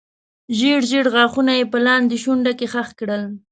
ژېړ ژېړ غاښونه یې په لاندې شونډه کې خښ کړل.